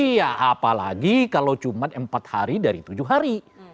iya apalagi kalau cuma empat hari dari tujuh hari